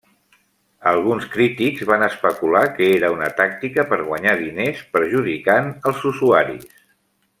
Alguns crítics van especular que era una tàctica per guanyar diners perjudicant els usuaris.